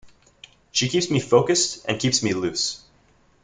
She keeps me focused and keeps me loose.